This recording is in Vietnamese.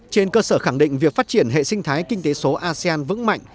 trên cơ sở khẳng định việc phát triển hệ sinh thái kinh tế số asean vững mạnh